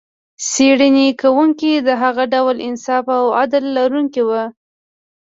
څېړنې کوونکي د هغه ډول انصاف او عدل لرونکي و.